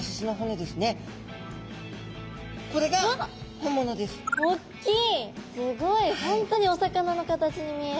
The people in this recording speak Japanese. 本当にお魚の形に見える。